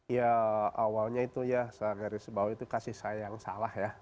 ya awalnya itu ya saya garis bawah itu kasih sayang salah ya